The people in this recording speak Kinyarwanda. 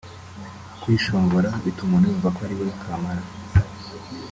Kwishongora bituma umuntu yumva ko ariwe kamara